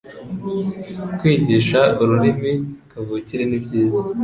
kwigisha ururimi kavukire nibyiza